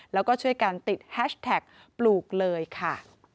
แล้วก็ช่วยกันติดแฮชแท็กปลูกเลยค่ะ